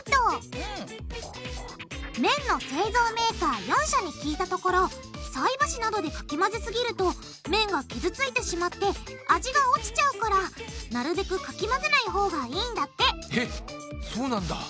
麺の製造メーカー４社に聞いたところさいばしなどでかき混ぜすぎると麺が傷ついてしまって味がおちちゃうからなるべくかき混ぜないほうがいいんだってえっそうなんだ。